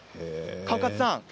川勝さん